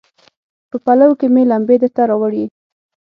په پلو کې مې لمبې درته راوړي